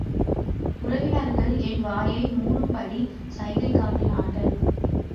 உறவினர்கள் என் வாயை மூடும்படி சைகை காட்டினார்கள்.